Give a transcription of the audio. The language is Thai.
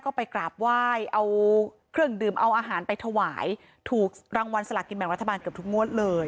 ก็ไปกราบไหว้เอาเครื่องดื่มเอาอาหารไปถวายถูกรางวัลสลากินแบ่งรัฐบาลเกือบทุกงวดเลย